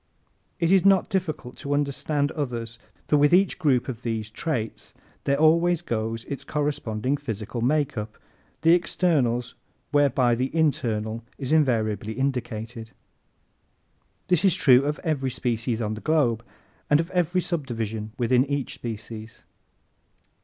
It is not difficult to understand others for with each group of these traits there always goes its corresponding physical makeup the externals whereby the internal is invariably indicated. This is true of every species on the globe and of every subdivision within each species.